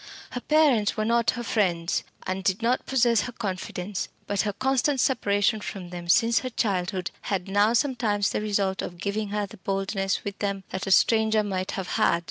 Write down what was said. Her parents were not her friends, and did not possess her confidence; but her constant separation from them since her childhood had now sometimes the result of giving her the boldness with them that a stranger might have had.